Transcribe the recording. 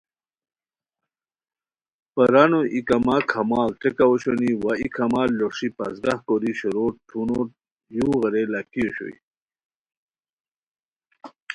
برانو ای کما کھاماڑ ٹیکہ اوشونی وا ای کھاماڑ لوسی پازگہ کوری شورو ٹھونہ یُو غیرئے لاکھی اوشوئے